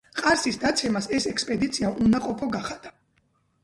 ყარსის დაცემას ეს ექსპედიცია უნაყოფო გახადა.